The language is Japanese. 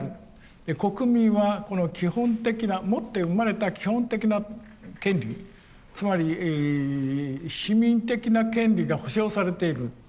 国民はこの基本的な持って生まれた基本的な権利つまり市民的な権利が保障されている。